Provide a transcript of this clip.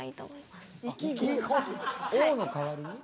「お！」の代わりに？